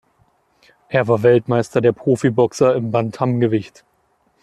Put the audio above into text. Er war Weltmeister der Profiboxer im Bantamgewicht.